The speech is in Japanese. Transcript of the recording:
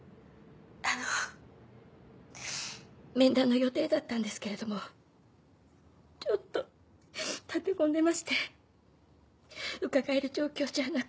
あの面談の予定だったんですけれどもちょっと立て込んでまして伺える状況じゃなくて。